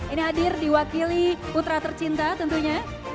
ini hadir diwakili putra tercinta tentunya